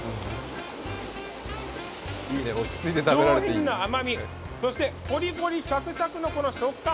上品な甘み、そしてコリコリシャクシャクのこの食感。